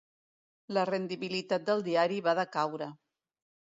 La rendibilitat del diari va decaure.